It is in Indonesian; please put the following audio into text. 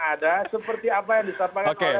ada seperti apa yang disampaikan oleh